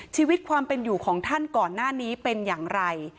ชีวิตความเป็นอยู่ของท่านก่อนหน้านี้เป็นอย่างไร